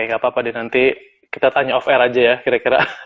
gak apa apa deh nanti kita tanya off air aja ya kira kira